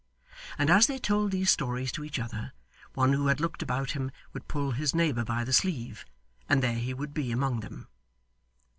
And as they told these stories to each other, one who had looked about him would pull his neighbour by the sleeve, and there he would be among them.